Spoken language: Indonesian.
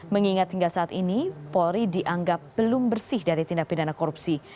mengingat hingga saat ini polri dianggap belum bersih dari tindak pidana korupsi